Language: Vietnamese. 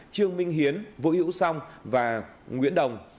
trương minh hiến vũ hiễu song và nguyễn đồng